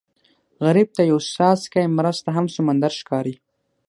غریب ته یو څاڅکی مرسته هم سمندر ښکاري